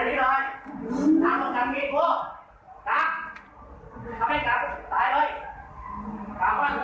ทำให้กลับตายเลยขอโทษ